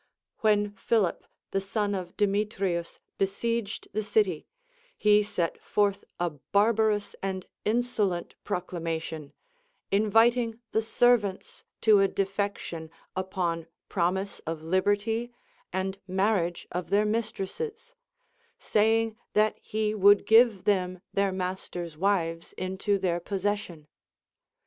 AVhen Philip, the son of Demetrius, besieged the citv, he set forth a barbarous and insolent proclamation, inviting the servants to a defection upon promise of liberty and marriage of their mistresses, saying that he would give them their masters' wives into their possession.